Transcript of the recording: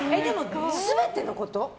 全てのこと？